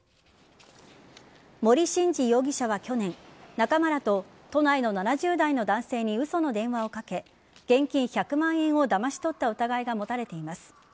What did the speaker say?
森伸二容疑者は去年、仲間らと都内の７０代の男性に嘘の電話をかけ現金１００万円をだまし取った疑いが持たれています。